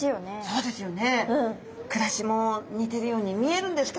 そうですよね。